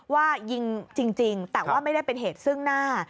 ว่ายิงจริงแต่ว่าไม่ได้เป็นเหตุซึ่งหน้า